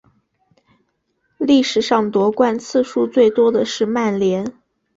历史上夺冠次数最多的是曼联。